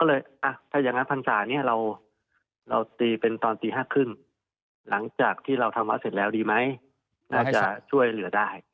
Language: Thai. ก็เลยถ้าอย่างนั้นพรรษานี้เราตีเป็นตอนตี๕๓๐หลังจากที่เราทำวัดเสร็จแล้วดีไหมน่าจะช่วยเหลือได้